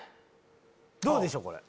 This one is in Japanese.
どうでしょう？